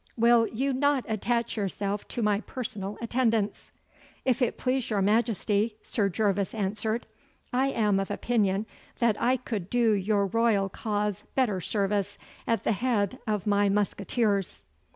Will you not attach yourself to my personal attendants?' 'If it please your Majesty,' Sir Gervas answered, 'I am of opinion that I could do your royal cause better service at the head of my musqueteers.